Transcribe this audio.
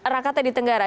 rakata di tenggara